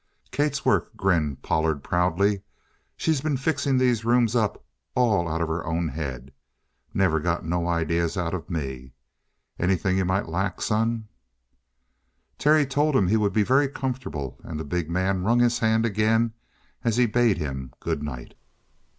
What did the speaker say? "Kate's work," grinned Pollard proudly. "She's been fixing these rooms up all out of her own head. Never got no ideas out of me. Anything you might lack, son?" Terry told him he would be very comfortable, and the big man wrung his hand again as he bade him good night.